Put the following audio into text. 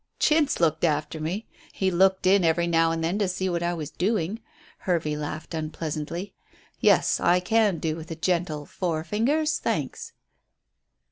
"Chintz looked after me! He looked in every now and then to see what I was doing." Hervey laughed unpleasantly. "Yes, I can do with a gentle 'four fingers'; thanks."